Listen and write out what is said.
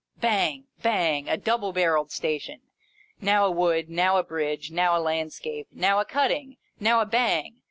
Bang, bang ! A double barrelled Station ! Now a wood, now a bridge, now a landscape, now a cutting, now a Bang